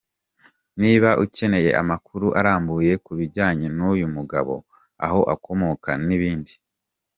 Niba ukeneye amakuru arambuye kubijyanye nuyu mugabo, aho akomoka nibindi.